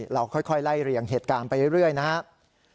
เราค่อยไล่เรียงเหตุการณ์ไปเรื่อยนะครับ